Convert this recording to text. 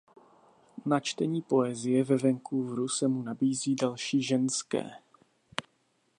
Na čtení poezie ve Vancouveru se mu nabízí další ženské.